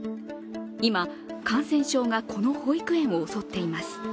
今、感染症がこの保育園を襲っています。